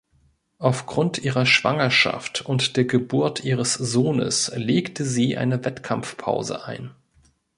Aufgrund ihrer Schwangerschaft und der Geburt ihres Sohnes legte sie eine Wettkampfpause ein.